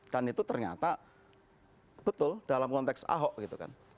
kan itu ternyata betul dalam konteks ahok gitu kan